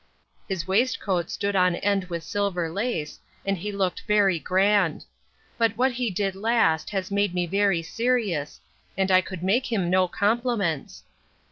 His waistcoat stood on end with silver lace, and he looked very grand. But what he did last, has made me very serious, and I could make him no compliments.